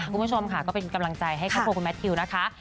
คุณผู้ชมค่ะก็เป็นกำลังใจให้ครอบครัวคุณแมททิวนะคะ